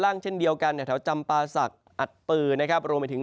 เช่นเดียวกันแถวจำปาศักดิ์อัดปือนะครับรวมไปถึง